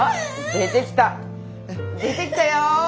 出てきたよ！